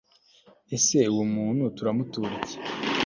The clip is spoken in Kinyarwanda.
ariko se uwo muntu turamutura iki